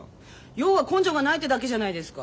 要は根性がないってだけじゃないですか。